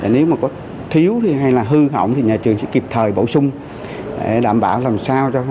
nếu mà có thiếu thì hay là hư hỏng thì nhà trường sẽ kịp thời bổ sung để đảm bảo làm sao cho